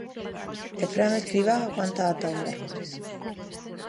E Fran Escribá aguanta ata o mércores.